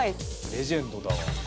レジェンドだわ。